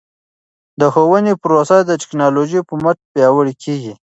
د ښوونې پروسه د ټکنالوژۍ په مټ پیاوړې کیږي.